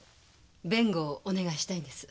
弁護をお願いしたいんです。